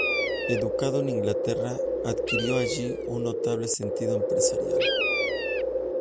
Educado en Inglaterra, adquirió allí un notable sentido empresarial.